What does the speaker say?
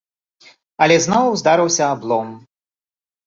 Але зноў здарыўся аблом.